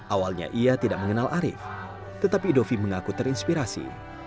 awalnya ia tidak mengenal arief tetapi dovi mengaku terinspirasi